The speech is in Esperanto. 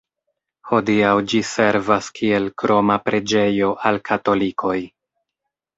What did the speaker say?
Hodiaŭ ĝi servas kiel kroma preĝejo al katolikoj.